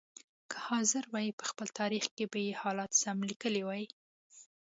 که حاضر وای په خپل تاریخ کې به یې حالات سم لیکلي وای.